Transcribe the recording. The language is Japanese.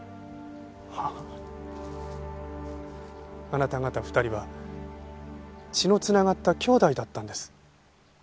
あなた方２人は血のつながった兄弟だったんです。